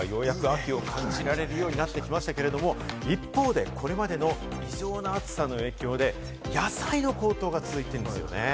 ようやく秋を感じられるようになってきましたが、一方で、これまでの異常な暑さの影響で野菜の高騰が続いているんですね。